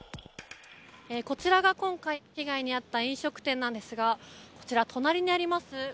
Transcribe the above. こちらが今回、被害に遭った飲食店なんですがこちら、隣にあります